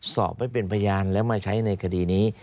สอบไว้เป็นพยานแล้วมาใช้ในคดีนี้